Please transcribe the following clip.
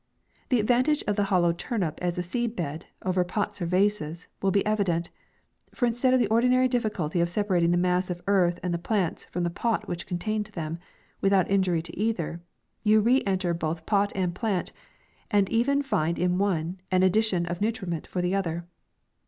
The advantage of the hollow turnip as a seed bed, over pots or vases, will be evi dent ; for instead of the ordinary difficulty of separating the mass of earth and the plants from the pot which contained Ihem, without injury to either, you re enter both pot and plant, and even find in the one an addition of nutriment for the other.